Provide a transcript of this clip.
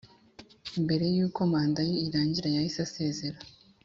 mbere y uko manda ye irangira yahiseasezera